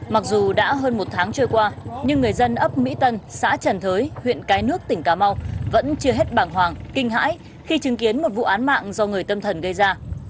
mặc dù đã hơn một tháng trôi qua nhưng người dân ấp mỹ tân xã trần thới huyện cái nước tỉnh cà mau vẫn chưa hết bảng hoàng kinh hãi khi chứng kiến một vụ án mạng do người tâm thần gây ra